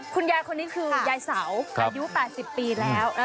คุณยายคนนี้คือยายเสาอายุ๘๐ปีแล้ว